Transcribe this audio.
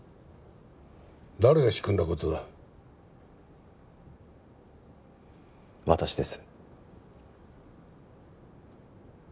誰が仕組んだことだ私です